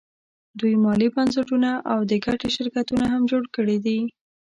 دوی مالي بنسټونه او د ګټې شرکتونه هم جوړ کړي دي